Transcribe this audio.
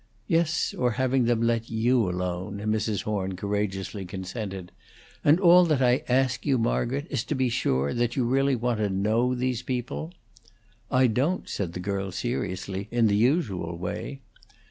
"Yes, or having them let you alone," Mrs. Horn courageously consented. "And all that I ask you, Margaret, is to be sure that you really want to know these people." "I don't," said the girl, seriously, "in the usual way."